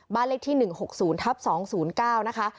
บ้านเลขที่๑๖๐ทับ๒๐๙นะคะ